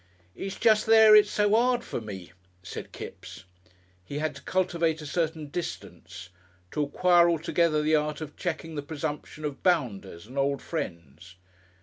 "It's jest there it's so 'ard for me," said Kipps. He had to cultivate a certain "distance," to acquire altogether the art of checking the presumption of bounders and old friends.